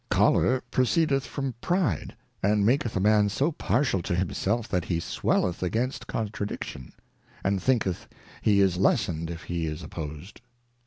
Choler proceedeth from Pride, and maketh a Man so partial to himself that he swelleth against Contradiction ; and thinketh he is lessened if he is opposed.